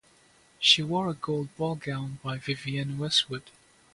She wore a gold ball gown by Vivienne Westwood.